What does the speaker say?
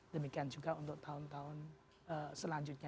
demikian juga untuk tahun tahun selanjutnya